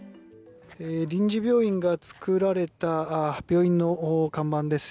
臨時病院が作られた病院の看板です。